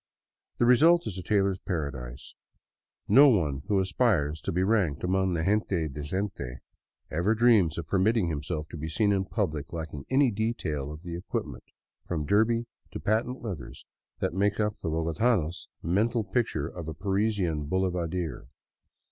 The result is a tailor's paradise. No one who aspires to be ranked among the gente decente ever dreams of permitting himself to be seen in public lacking any detail of the equipment, from derby to patent leathers, that makes up the bogotano's mental picture of a Parisian boulevardier.